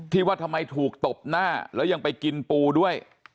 ว่าทำไมถูกตบหน้าแล้วยังไปกินปูด้วย